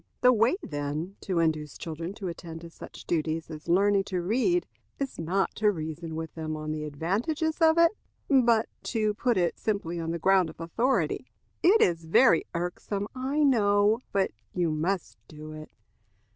The way, then, to induce children to attend to such duties as learning to read, is not to reason with them on the advantages of it, but to put it simply on the ground of authority. "It is very irksome, I know, but you must do it.